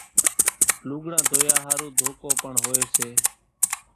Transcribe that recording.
لُوڳڙان ڌويا ۿارُو ڌوڪو پڻ هوئيَ سي۔